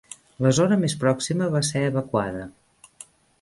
La zona més pròxima va ser evacuada.